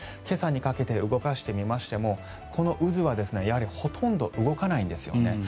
今朝にかけて動かしてみましてもこの渦はほとんど動かないんですよね。